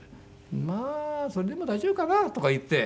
「まあそれでも大丈夫かな？」とか言って。